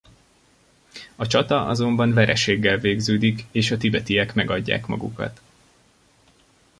A csata azonban vereséggel végződik és a tibetiek megadják magukat.